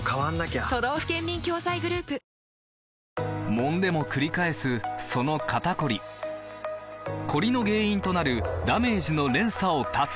もんでもくり返すその肩こりコリの原因となるダメージの連鎖を断つ！